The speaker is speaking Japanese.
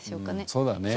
そうだね。